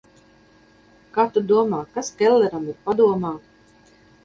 Kā tu domā, kas Kelleram ir padomā?